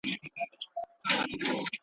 يوسف عليه السلام ئې له نازونو څخه محروم کړ.